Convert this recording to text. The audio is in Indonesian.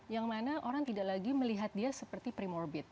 yang mana orang tidak lagi melihat dia seperti primorbid